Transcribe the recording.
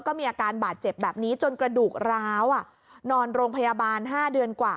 ก็มีอาการบาดเจ็บแบบนี้จนกระดูกร้าวนอนโรงพยาบาล๕เดือนกว่า